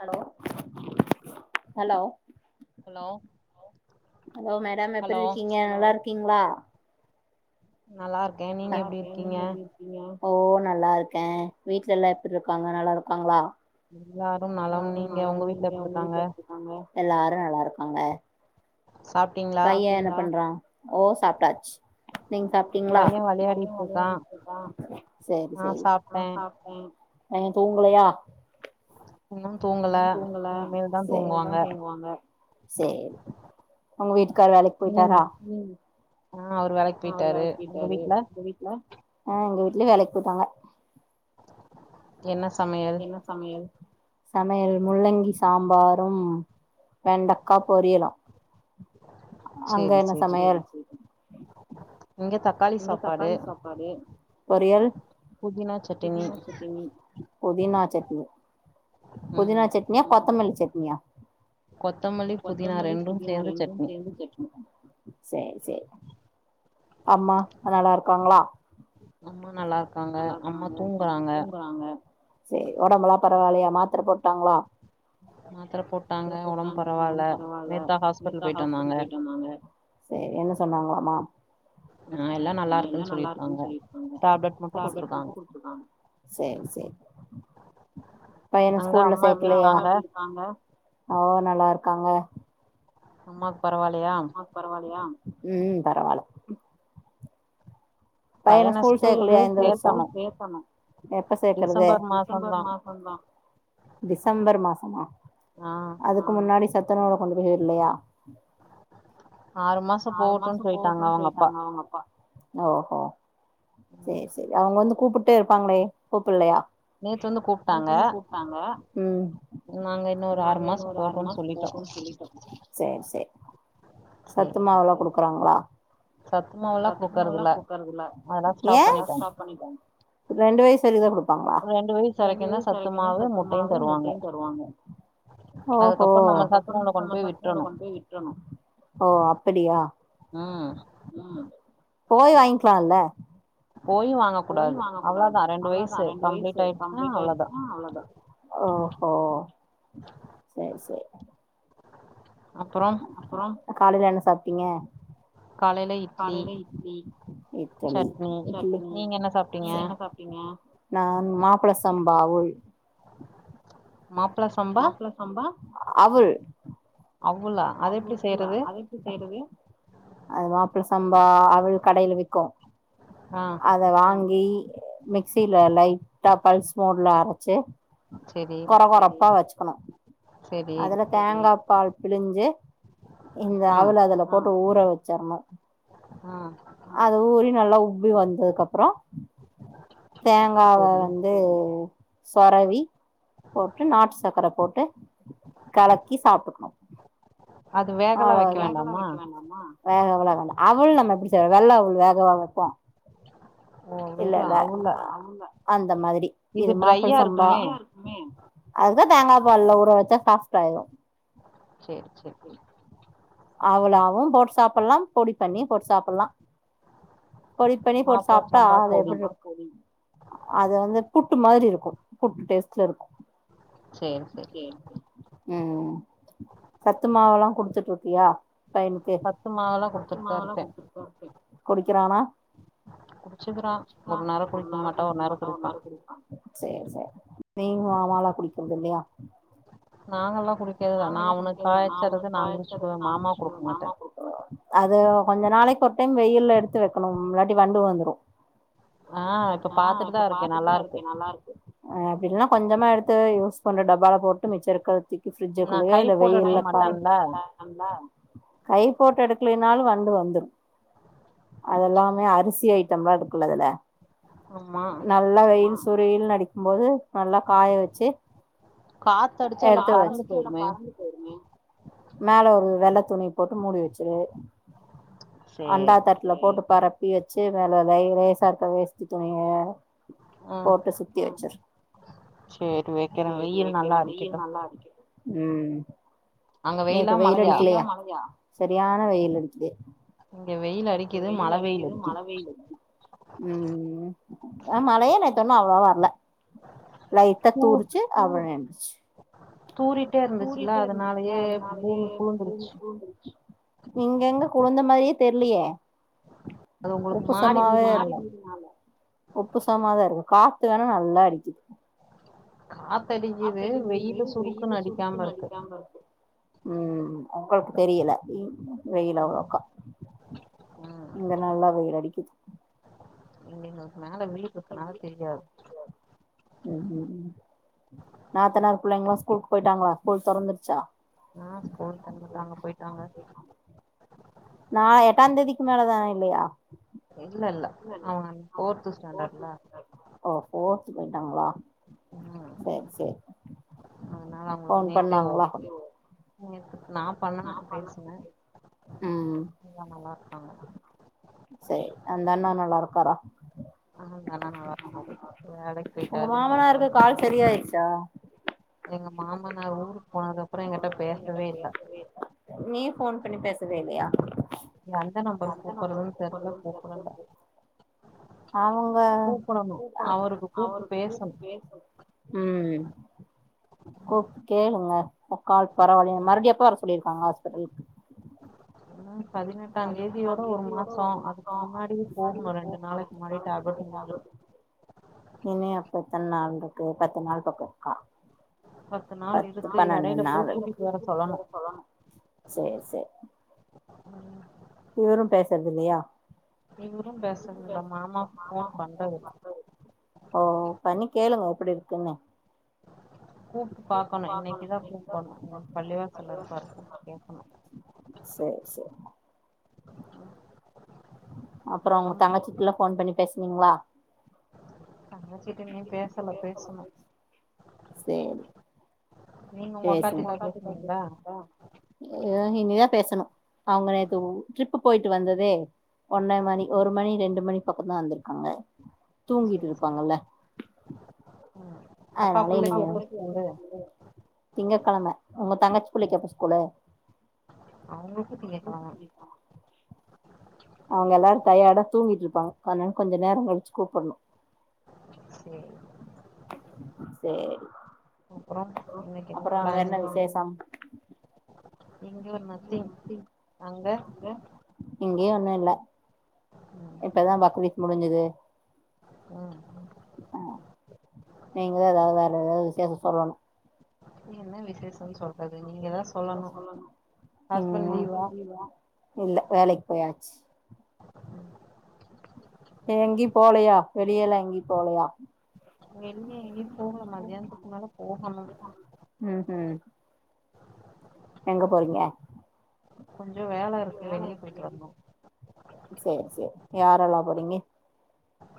Hello hello hello hello madam எப்டிருக்கீங்க நல்லாருக்கீ ங்களா நல்லா இருக்கே நீங்க எப்டி இருக்கீங்க ஓ நல்லா இருக்கே வீட்ல எல்லா எப்டி இருக்காங்க நல்லா இருக்காங்களா எல்லாரு நலம் நீங்க உங்க வீட்ல எப்ட் இருக்காங்க எல்லாரு நல்லாருக்காங்க பைய என்ன பண்றா ஓ சாப்டாச் நீங்க சாப்ட்டீங்ளா பையே வெளயாடிட்டுருக்கா சேரி சேரி நா சாப்டே பையே தூங்கலையா இன்னு தூங்கல இனிமேல் தா தூங்குவாங்க சேரி ஒங்க வீட்டு க்கார் வேலைக்கு போயிட்டாரா ஆ அவரு வேலைக்கு பொயிட்டாரு ஒங்க வீட்ல ஆ எங்க வீட்லயு வேலைக்கு பொய்ட்டாங்க என்ன சமையல் சமையல் முள்ளங்கி சாம்பாரும் வெண்டக்கா பொரியலா அங்க என்ன சமையல் இங்க தக்காளி சாப்பாடு பொரியல் புதினா சட்டினி புதினா சட்னி புதினா சட்னியா கொத்தமல்லி சட் னியா கொத்தமல்லி புதினா ரெண்டு சேந்து சட்னி சேர் சேர் அம்மா நல்லாருக்காங்களா சேரி ஒடம்பெல்லா பரவாலயா மாத்ர போட்டாங்களா மாத்ர போட்டாங்க ஒடம்பு பரவால நேத்துதா ஹாஸ்பிடல் போயிட்டு வந்தாங்க எல்லா நல்லா இருக்குன்னு சொல்லிருக்காங்க டேப்லெட் மட்டு குடுத்துருக்காங்க பையன ஸ்கூல்ல சேக்கலயா ஓஹ் நல்லா இருக்காங்க அம்மாக் ப அம்மாக் பரவாயில்லையா உம் பரவால பையன ஸ்கூல் சேக்கலையா எப்ப சேக்குறது டிசம்பர் மாசமா அதுக்கு முன்னாடி த்தனோட கொண்டு போய இல்லையா ஆறு மாசம் போகட்டுனு போயிட்டாங்க அவங்க அப்பா ஓஹோ சேரி சரி அவங்க வந்து கூப்பிட்டே இருப்பாங்களே கூப்பலையா நேத்து வந்து கூப்ட்டாங்க நாங்க இன்னு ஒரு ஆறு மாசம் போட்டுனு சொல்லிட்டோ சத்துமாவுலா கொடுக்குறா ங்களா சத்துமாவுல்லா குடுக்றதுல்ல ஏ ரெண்டு வயசு [unintelligible] ரெண்டு வயசு வரைக்குதா சத்துமாவு முட்டையு தருவாங்க அதுக்கப்புறோ நம்ம சத்துணவுல கொண்டு போய் விட்ரணு ம் போய் வாங்கக் கூடாது அவ்ளதா ரெண்டு வயசு கம்ப்ளீட் ஆயச்சினா அவளோதா சரி சரி காலைல என்ன சாப் சாப்டிங்க இட்டலி ச நான் மாப்ள சம்பா அவுள் மாப்ள சம்பா அவல் அவல அத எப்படி செய்றது அத தா பேச சம்பா அவல் கடையில விிக்கும் அத வாங்கி மிக்சில லைட்டா பல்ஸ் மோட்ல அரைச்சு கொற கொறப்பா வச்சுக்கணும் அதுல தேங்கா பால் பிழிஞ்சு இந்த அவல அதுல போட் ஊற வச்சிறணு அது ஊறி நல்லா உப் திரும்பி வந்ததுக்கு அப்றோ தேங்காவ வந்து சொரவி போட்டு நாட்டு சக்கர போட் டு கலக்கி சாப்புட்ணும் அவ வேகவலா வேண்டா அவுல் ல மட் முடிச்சவ் வெள்ள அவுல் வேகவா வப்போம் இல்ல இல்ல ஆஹ் அந்த மாதிரி தி இது மாப்ள சம்பா அதுக்தா தேங்கா பால்ல ஊரவச் சா சாஃப்டாயிரும் அவுலாவும் போட்டு சாப்புட்லா பொடி பண்ணி போட்டு சாப்புட்லா பொடி பண்ணி போட்டு சாப்ட்டா அது எப்டி இருக் அது வந்து புட் டு மாத்ரி இருக்கு புட் டேஸ்ட்ல இருக்கு சேரி சேரி ம் சத்து மாவெல்லா குடுத்துட்டு உட் ருப்பியா பையன்க்கு கிறானா சேர் சேரி நீயும் மாமாலா குடிக்கிறது இல்லயா கிறது நா குடிச்சிக்குவன் மாமாக் குடுக்க அது கொஞ்ச நாளைக்கு ஒரு டைம் வெய்யில எடுத்து வெக்கெணும் இல்லாட்டி வண்டு வந்துறும் ஆஹ் இப்போ பாத்துட்தான் இருக்கேன் நல்லா இருக்கு து யூஸ் பண்ற டப்பால போட்டு மிச்ச இருக்கற்த தூ க்கி ஃப்ரிட்ஜிக்குள்ளயோ இல்ல வெயில்ல காய் கை போட்டு எடுக்லினாலு வண்டு வந்துரு அதெல்லாமே அரிசி ஐட்டம்ல்லா எடுக்குல்லதுல நல்லா வெயில் சுரில்னு அடிக்கும்போது நல்லா காய வச்சி எடுத்து வச்சி மேல ஒரு வெள்ள துணி போட்டு மூடி வச்சிரு அண்டா தட்ல போட்டு பறப் பி வச்சி மேலே லை லேசா இருக்க வேஸ்டி துணிய போட்டு சுத்தி வச்சிரு ம் ஏ இப்ப வெயில் அடிக்கலையா சரியான வெயில் அடிக்குது ம் ஆ மழையா இல்ல சொன்னா அவ்ளவா வரல லைட்டா தூரிச்சு அப்றோ நின்னுட்டு நீங் எங்க குளுந்த மாரியே தெர்லியே உப்பு சம்மாவேர் உப்பு சம்மாதார் காத்து வேணா நல்லா அடிக்கிது காத்தடிக்குது வெயில் சுருக்குன்னு அடிக்காம இர்க்கு ம் உங்கள்க்கு தெரியல ம் வெயில் அவ்ளோக்கா இங்க நல்லா வெயில் அடிக்கிது என்னெங்கோ மேல வீடு இருக்குனால தெரியாத் ம் ம்ம் நாத்தனார் பிள்ளைங்ளா ஸ்கூல்க்கு போய்ட்டாங்களா ஸ்கூல் துறந்துர்ச்சா ஆ ஸ்கூல் தொரந்துட்டாங்க போய் ட்டாங்க நான் எட்டான் தேதிக்கு மேலதா இல்லையா ஓ ஃபோர்த்து போய்ட்டாங்ளா உஉ செர் செ அதனால அவங்களுக்கு நேத்தே ஓபன் நேத்து ம் செர் அந்த அண்ணா நல்லாருக் காரா அஆஹா கா ஆனா நல்லாருக்காரு வேலைக்கு போய்ட்டாரு வரலேன் சொன் எங்க மாமனார் ஊருக் போனத அப்றோ என்கிட்ட பேசவே இல்ல ஃபோன் பண்ணி பேசவே இல்லையா எந்த நம்பர் கூப்பறதுன் தெர்ல கூப்புடல அவங்க ம் [unintelligible] கேளுங்க கால் பரவாயில்யா மறுப்டி எப்பா வர சொல்லி [unintelligible] ஹாஸ்பிட்டல் பதினெட்டா தேதியோடே ஒரு மாசோ அதுக்கு முன்னாடியே போகபோரே [unintelligible] இருக்கு பத்து நாள் பத்தோ [unintelligible] பத்து நாள் இருக்கு எடைல போய் கூட்டிட்டு வர சொல்லணு இவரு பேசற்தில்லையா இவுரு பேசற்தில்ல மாமா ஃபோன் பண்றதில்ல கேளுங்க எப்படி இருக்குன்னு கூப்டு பாக்கணு இன்னைக்குதா கூப்புட்ணு ஏனா பள்ளிவாசல்ல இருப்பாரு கேக்கணு அப்புறோ உங்க தங்கச்சிக் ல்லா ஃபோன் பண்ணி பேசனீங்ளா ச்சட்டு இன்னு பேசல பேசணு சேரி பேச இல் இனிதா பேசணு அவுங்க நேத்து ஊ ட்ரிப் போய்ட்டு வந்ததே ஒன்னெ மணி ஒரு மணி ரெண்டு மணி பக் கோ தா வந்துருக்காங்க தூங்கிட்டுருப்பாங்கல்ல அதனால இனிமே தா திங்க கெழமை உங்க தங்கச்சி புள்ளைக்கு எப்ப ஸ்கூலு அவுங்ளுக்கு திங்ககெழம தா அவங்க எல்லாரு டயடா தூங்கிட்டு இருப்பாங்க அதனால கொஞ்சோ நேரோ கழிச்சு கூப்புடணு சேரி அப்பறோ அங்க என்ன விசேஷோ இங்கயே ஒண்ணு இல்ல இப்பதா பக்ரீத் முடிஞ்சுது ஆ நீங்களே எதாவ்து வேற எதாவ்து விசேஷோ சொல்லணு என்ன வி உம் இல்ல வேலைக் போயாச்சு [unintelligible] எங்யு போலையா வெளியேலா எங்யு போலையா உ உம் எங்க போறீங்க பொன்னி சேரி சேரி யாரெல்லா போறீங்க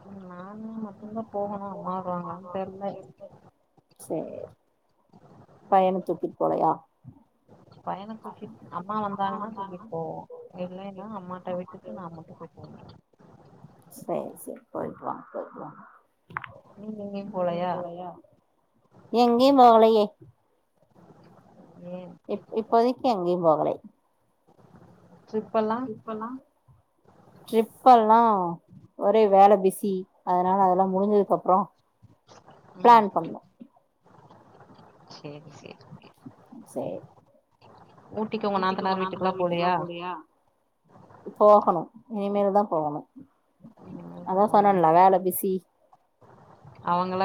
உம் நானு மட்டுந்தா போகணு அம்மா வருவாங்ளா தெர்ல பையன தூக்கிட் அம்மா வந்தாங்கன்னா தூக்கிட் போவோ இல்லைன்னா அம்மாட்ட விட்டுட்டு நா மட்டு போயிட்டு போவே செரி செரி போயிட்டு வாங் போயிட்டு வாங் எங்கேயு போகலையே இப் இப்போதைக்கு எங்கேயு போ போலை டிரிப்பெல்லா ஒரே வேல பிசி அதனால அதெல்லா முடிஞ்சுதுக்கு கப்பறோ பிளான் பண்ணோ சேர் போகணு இனிமேலதா போகணும் அதா சொன்னென்ல வேல பிசி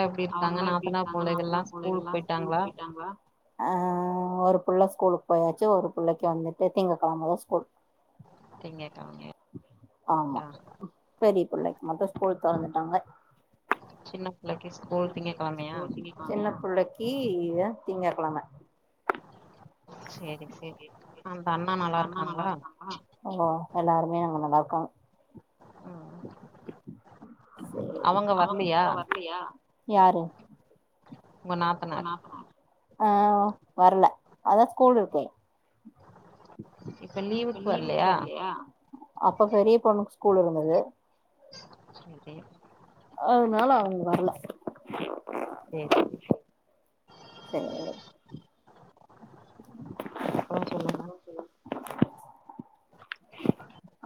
எப்படி இருக்காங்க நாத்தனா புள்ளைகள்லாம் ஸ்கூல் போயிட்டாங்ளா ஆ ஒரு புள்ள ஸ்கூலுக்கு போயாச்சு ஒரு புள்ளைக்கு வந்துட்டு திங்க கிழமதா ஸ்கூல் ஆமா பெரிய புள்ளைக்கு மட்டும் ஸ்கூல் தொறந்துட்டாங்க பிள்ளைக்கு ஸ்கூல் திங்க கிழமையா கீ திங்க கெழம எல்லாருமே நாங்க நல்லா இருக்கோ கா செரி அவங்க வர்லியா ஆ வரல அதா ஸ்கூல் இருக்கே இப்பலீவுக்கு வரல்லையா அப்ப பெரிய பொண்ணுக்கு ஸ்கூ ஸ்கூல் இருந்தது செரி அதனால அவுங்க வரல செரி சேரி அப்புறோ சொல்லுங்க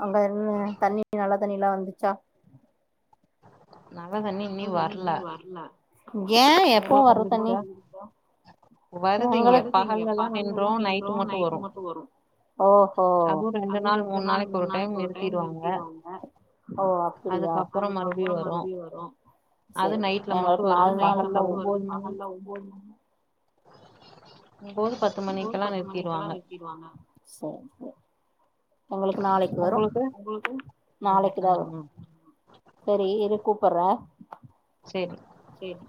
அங்க என்ன தண்ணி நல்ல தண்ணிலா வந் அச்சா நல்ல தண்ணி இனி வரல ஏன் எப்போ வர்ற தண்ணி உங்களுக் ஓஹோ ஓ அப்பிடியா செரி எங்களுக்கு நால் பகல்ல ஒம்போது மணி ஒம்போது பத்து மணிக்குகெல்லா நிறுத்திடுவாங்க. எங்களுக்கு நாளைக்கு வரோ நாளைக்குதா வரோ சரி இரு கூப்புடுற. சேரி